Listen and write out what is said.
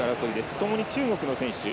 ともに中国の選手。